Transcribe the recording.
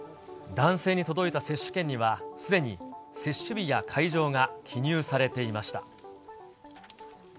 男性に届いた接種券には、すでに接種日や会場が記入されていました。